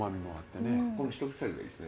この一口サイズがいいですね。